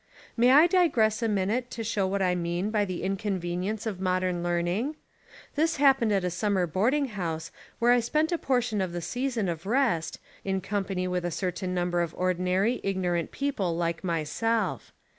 May I digress a minute to show what I mean by the inconvenience of modern learning? This' happened at a summer boarding house where I spent a portion of the season of rest, in com pany with a certain number of ordinary, igno rant people like myself.